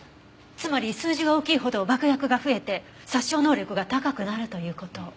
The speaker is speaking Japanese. つまり数字が大きいほど爆薬が増えて殺傷能力が高くなるという事。